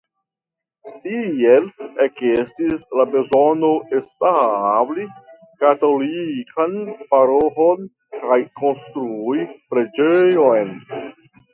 Tiel ekestis la bezono establi katolikan paroĥon kaj konstrui preĝejon.